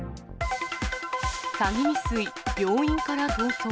詐欺未遂、病院から逃走。